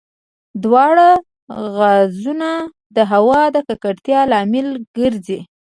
دواړه غازونه د هوا د ککړتیا لامل ګرځي.